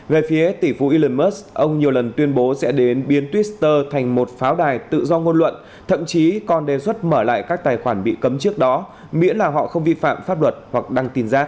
về phía tỷ phú elon musk ông nhiều lần tuyên bố sẽ đến biến twitter thành một pháo đài tự do ngôn luận thậm chí còn đề xuất mở lại các tài khoản bị cấm trước đó miễn là họ không vi phạm pháp luật hoặc đăng tin rác